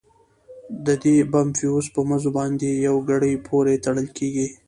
د دې بم فيوز په مزو باندې يوې ګړۍ پورې تړل کېږي.